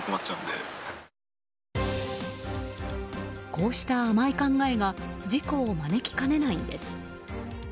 こうした甘い考えが事故を招きかねないんです。